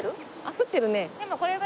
降ってるね。